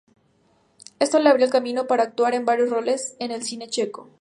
Esto le abrió el camino para actuar en varios roles en el cine checo.